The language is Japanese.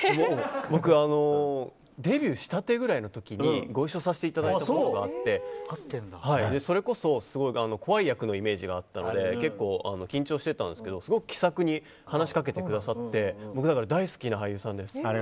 僕デビューしたてぐらいの時にご一緒させていただいたことがあってそれこそ、すごい怖い役のイメージがあったので結構、緊張してたんですけどすごく気さくに話しかけてくださってだから僕、大好きな俳優さんです。